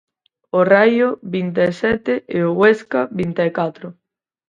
O Raio vinte e sete e o Huesca vinte e catro.